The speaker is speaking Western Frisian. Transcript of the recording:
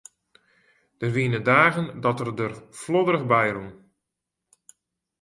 Der wiene dagen dat er der flodderich by rûn.